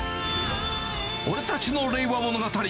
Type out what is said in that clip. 俺たちの令和物語。